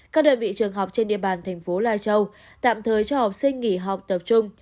các đơn vị trường học trên địa bàn thành phố lai châu tạm thời cho học sinh nghỉ học tập trung